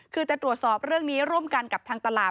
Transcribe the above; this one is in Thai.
คือจะตรวจสอบเรื่องนี้ร่วมกันกับทางตลาด